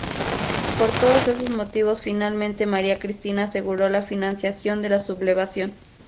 Por todos esos motivos finalmente María Cristina aseguró la financiación de la sublevación.